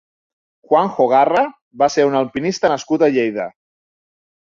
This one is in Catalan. Juanjo Garra va ser un alpinista nascut a Lleida.